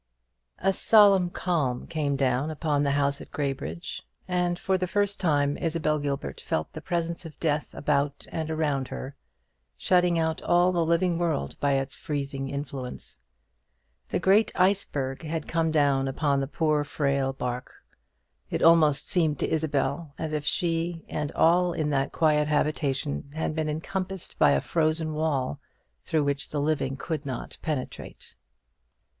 A solemn calm came down upon the house at Graybridge, and for the first time Isabel Gilbert felt the presence of death about and around her, shutting out all the living world by its freezing influence. The great iceberg had come down upon the poor frail barque. It almost seemed to Isabel as if she and all in that quiet habitation had been encompassed by a frozen wall, through which the living could not penetrate.